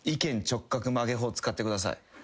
直角曲げ法使ってください。